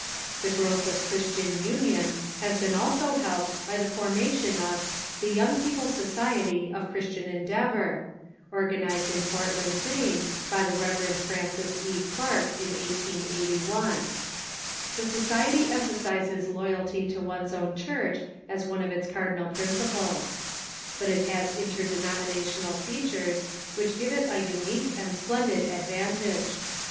The growth of Christian union has been also helped by the formation of the Young People's Society of Christian En deavor, organized in Portland, Maine, by the Rev. Francis E. Clark, in 1881. This society emphasizes loyalty to one's own Church as one of its cardinal principles. But it has interde nominational features which give it a unique and splendid advantage.